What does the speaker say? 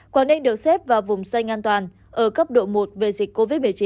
quảng ninh được xếp vào vùng xanh an toàn ở cấp độ một về dịch covid một mươi chín